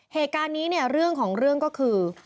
เหตุการณ์นี้เนี่ยเรื่องของเรื่องก็คือ